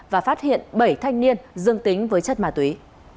và phát hiện bảy thanh niên dương tính với chất ma túy